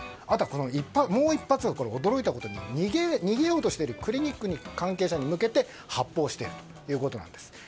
あと、もう１発が驚いたことに逃げようとしているクリニックの関係者に向けて発砲しているということです。